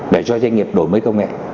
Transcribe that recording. để doanh nghiệp đổi mới công nghệ